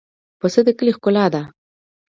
پسه د کلي ښکلا ده.